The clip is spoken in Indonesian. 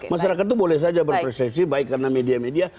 masyarakat itu boleh saja berpersepsi baik karena media media